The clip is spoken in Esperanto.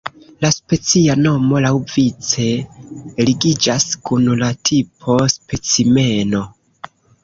La specia nomo laŭvice ligiĝas kun la tipo-specimeno.